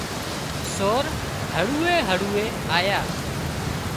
سور هۯوئي هۯوئي آيا